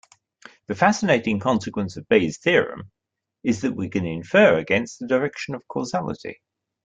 The fascinating consequence of Bayes' theorem is that we can infer against the direction of causality.